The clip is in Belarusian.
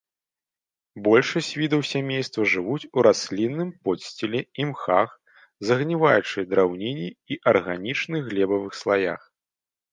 Большасць відаў сямейства жывуць у раслінным подсціле, імхах, загніваючай драўніне і арганічных глебавых слаях.